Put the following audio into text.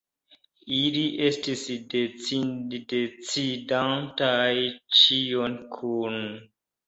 Ili estis decidantaj ĉion kune.